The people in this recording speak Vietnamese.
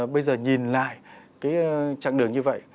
bây giờ nhìn lại cái chặng đường như vậy